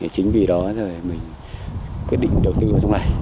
chính vì đó mình quyết định đầu tư vào trong này